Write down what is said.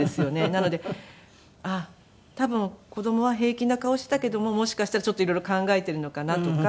なので多分子供は平気な顔していたけどももしかしたらちょっと色々考えているのかなとか。